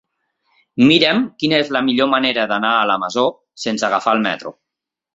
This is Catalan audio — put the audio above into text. Mira'm quina és la millor manera d'anar a la Masó sense agafar el metro.